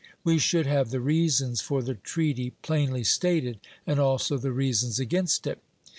We should have the reasons for the treaty plainly stated, and also the reasons against it.